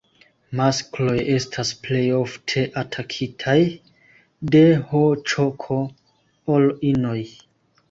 Maskloj estas plej ofte atakitaj de HĈK ol inoj.